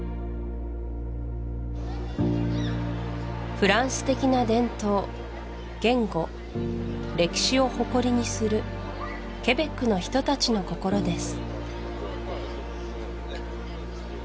フランス的な伝統言語歴史を誇りにするケベックの人たちの心です